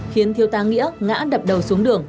khiến thiếu tá nghĩa ngã đập đầu xuống đường